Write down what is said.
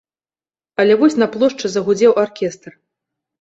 Але вось на плошчы загудзеў аркестр.